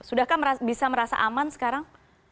sudahkah bisa merasa aman sekarang